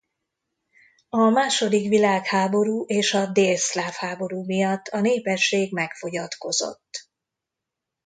A második világháború és a délszláv háború miatt a népesség megfogyatkozott.